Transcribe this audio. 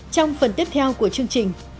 trong phần tiếp theo của chương trình